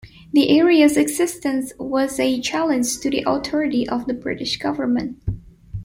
The areas' existence was a challenge to the authority of the British government.